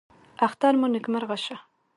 اختر مو نیکمرغه شه